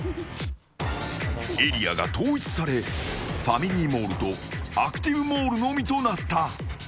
エリアが統一されファミリーモールとアクティブモールのみとなった。